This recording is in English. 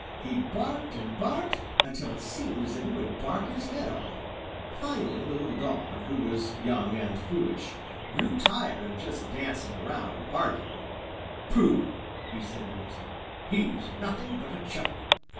He barked and barked, until it seemed as if he would bark his head off. Finally the little dog, who was young and foolish, grew tired of just dancing around and barking. "Pooh!" said he to himself. "He's nothing but a Chuck!"